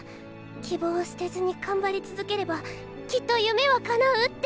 「希望を捨てずに頑張り続ければきっと夢はかなう」って。